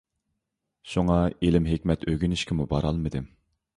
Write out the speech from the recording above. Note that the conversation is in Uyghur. شۇڭا، ئىلىم - ھېكمەت ئۆگىنىشكىمۇ بارالمىدىم.